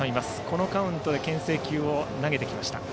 このカウントでけん制球を投げてきました。